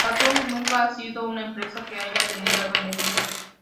Saturn nunca ha sido una empresa que haya tenido beneficios.